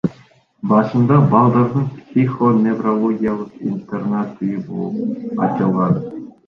Башында балдардын психоневрологиялык интернат үйү болуп ачылган.